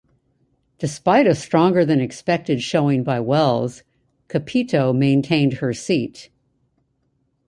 Despite a stronger than expected showing by Wells, Capito maintained her seat.